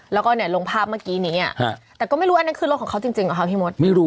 แล้วก็ลงภาพเมื่อกี้นี้